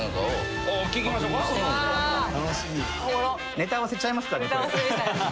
ネタ合わせちゃいますからねこれ。